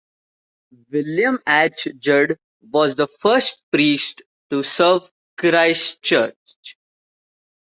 William H. Judd was the first priest to serve Christ Church.